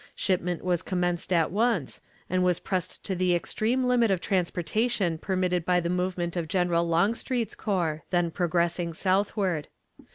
Shipment was commenced at once, and was pressed to the extreme limit of transportation permitted by the movement of General Longstreet's corps (then progressing southward).